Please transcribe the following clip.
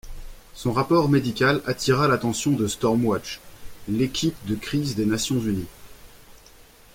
Son rapport médical attira l'attention de Stormwatch, l'équipe de crise des Nations unies.